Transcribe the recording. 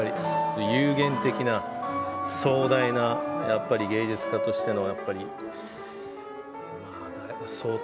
幽玄的な壮大な芸術家としての。